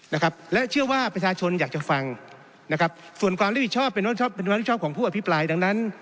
นะครับและเชื่อว่าประชาชนอยากจะฟังนะครับส่วนความรับผิดชอบเป็นความรับผิดชอบของผู้อภิปรายดังนั้น